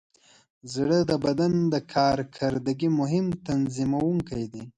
زړه د بدن د کارکردګۍ مهم تنظیموونکی دی.